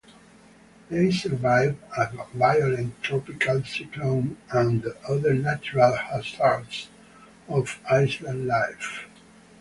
They survive a violent tropical cyclone and other natural hazards of island life.